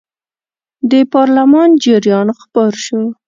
د پارلمان جریان خپور شو.